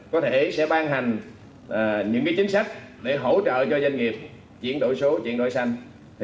có thể sẽ ban hành những chính sách để hỗ trợ cho doanh nghiệp chuyển đổi số chuyển đổi xanh